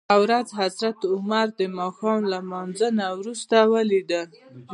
یوه ورځ حضرت عمر دماښام لمانځه وروسته ولید ل.